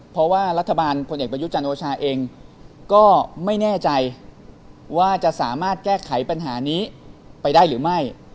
เพราะว่ารัฐบาลพลเอกประยุจันทร์โอชาเองก็ไม่แน่ใจว่าจะสามารถแก้ไขปัญหานี้ไปได้หรือไม่